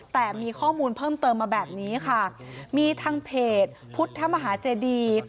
แต่มีข้อมูลเพิ่มเติมมาแบบนี้ค่ะมีทางเพจพุทธมหาเจดี